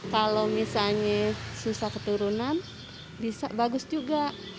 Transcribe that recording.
kalau misalnya susah keturunan bisa bagus juga